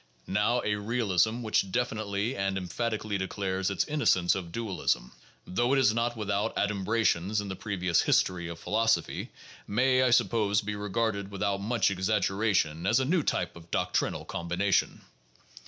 Now, a realism which definitely and emphatically declares its innocence of dualism, though it is not with out adumbrations in the previous history of philosophy, may, I sup pose, be regarded without much exaggeration as a new type of doc trinal combination.